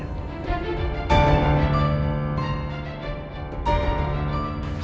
aku mau pergi